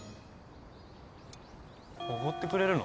おごってくれるの？